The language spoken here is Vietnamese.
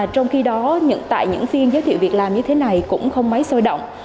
trong khi đó tại những phiên giới thiệu việc làm như thế này cũng không mấy sôi động